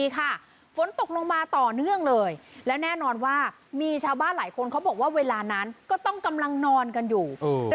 ฝนตกลงมาต่อเนื่องเลยและแน่นอนว่ามีชาวบ้านหลายคนเขาบอกว่าเวลานั้นก็ต้องกำลังนอนกันอยู่